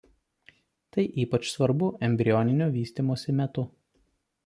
Tai ypač svarbu embrioninio vystymosi metu.